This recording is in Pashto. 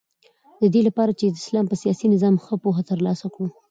ددې لپاره چی د اسلام په سیاسی نظام ښه پوهه تر لاسه کړو